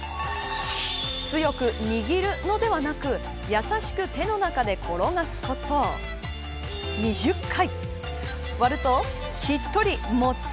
強く握るのではなく優しく手の中で転がすこと２０回。